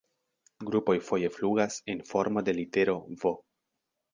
Grupoj foje flugas en formo de litero "V".